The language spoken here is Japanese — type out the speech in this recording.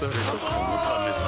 このためさ